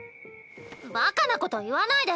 バカなこと言わないで！